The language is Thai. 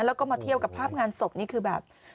แล้วก็มาเที่ยวกับภาพงานศพนี่คือแบบ